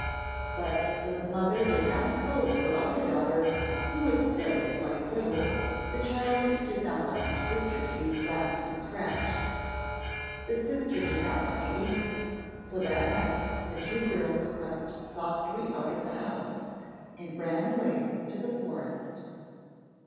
But though the mother did not scold her other daughter who was still quite little, the child did not like her sister to be slapped and scratched. The sister did not like it either; so that night the two girls crept softly out of the house and ran away to the forest.